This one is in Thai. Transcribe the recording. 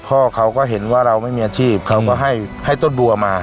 พ่อเขาก็เห็นว่าเราไม่มีอาชีพเขาก็ให้ต้นบัวมา